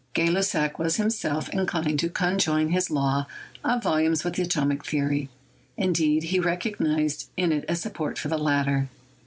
Gay Lussac was himself inclined to conjoin his law of volumes with the atomic theory — indeed, he recognised in it a support for the latter.